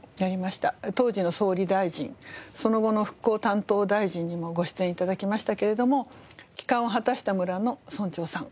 当時の総理大臣その後の復興担当大臣にもご出演頂きましたけれども帰還を果たした村の村長さん